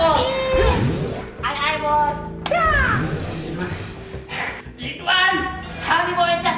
lidwan saya mau menjaga